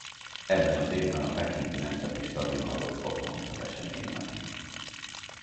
Ebben az évben a Pekingi Nemzeti Stadion adott otthont az eseménynek.